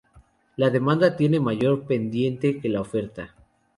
La demanda tiene mayor pendiente que la oferta.